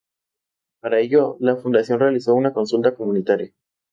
Para ello, la fundación realizó una consulta comunitaria.